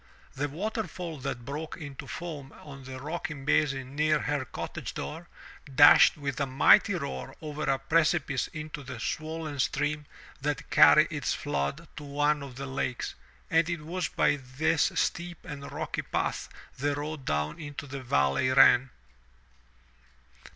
The waterfall that broke into foam on the rocky basin near her cottage door, dashed with a mighty roar over a precipice into the swollen stream that carried its flood to one of the lakes, and it was by this steep and rocky path the road down into the valley ran.